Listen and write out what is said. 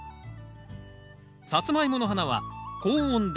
サツマイモの花は高温で短日